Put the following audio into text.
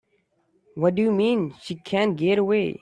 What do you mean she can't get away?